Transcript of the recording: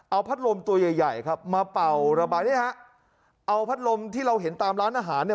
เอาพัดลมตัวใหญ่ใหญ่ครับมาเป่าระบายนี้ฮะเอาพัดลมที่เราเห็นตามร้านอาหารเนี่ย